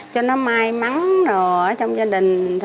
cho nó may mắn ở trong gia đình